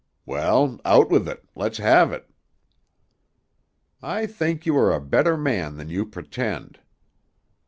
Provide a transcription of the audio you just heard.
"Well, out with it. Let's have it." "I think you are a better man than you pretend."